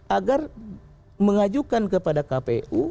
agar mengajukan kepada kpu